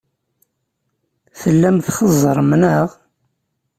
Tellam txeẓẓrem, neɣ?